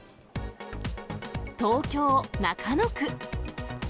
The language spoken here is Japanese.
東京・中野区。